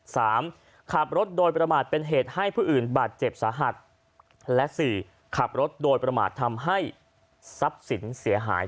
ขับรถโดยประมาทเป็นเหตุให้ผู้อื่นบาดเจ็บสาหัสและสี่ขับรถโดยประมาททำให้ทรัพย์สินเสียหาย